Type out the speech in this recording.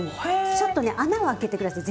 ちょっとね穴をあけて下さい全体に。